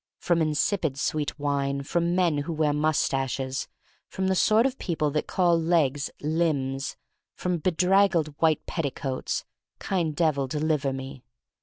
From insipid sweet wine; from men who wear moustaches; from the sort of people that call legs "limbs'; from bedraggled white petticoats: Kind Devil, deliver me.